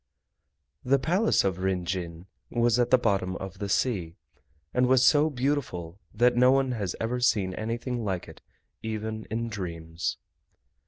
The Palace of Rin Jin was at the bottom of the sea, and was so beautiful that no one has ever seen anything like it even in dreams.